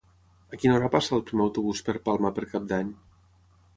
A quina hora passa el primer autobús per Palma per Cap d'Any?